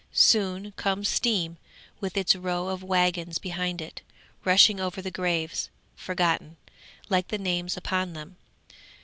Soon comes Steam with its row of waggons behind it, rushing over the graves, forgotten, like the names upon them.